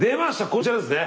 こちらですね。